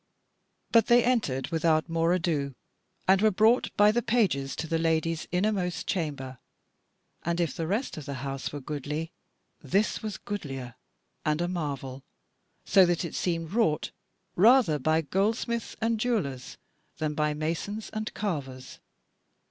But they entered without more ado, and were brought by the pages to the Lady's innermost chamber; and if the rest of the house were goodly, this was goodlier, and a marvel, so that it seemed wrought rather by goldsmiths and jewellers than by masons and carvers.